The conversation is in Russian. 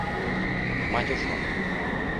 Мать ушла.